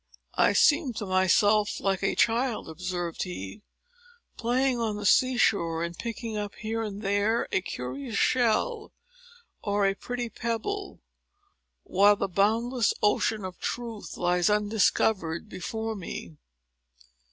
"I seem to myself like a child," observed he, "playing on the sea shore, and picking up here and there a curious shell or a pretty pebble, while the boundless ocean of Truth lies undiscovered before me."